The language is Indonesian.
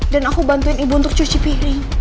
dan aku bantuin ibu untuk cuci piring